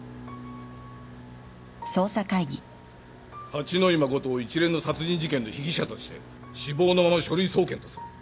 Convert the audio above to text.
八野衣真を一連の殺人事件の被疑者として死亡のまま書類送検とする。